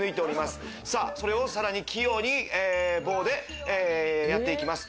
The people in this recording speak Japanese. それをさらに器用に、棒で、え、やっていきます。